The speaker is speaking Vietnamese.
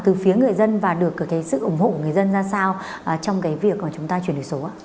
từ phía người dân và được cái sự ủng hộ của người dân ra sao trong cái việc mà chúng ta chuyển đổi số ạ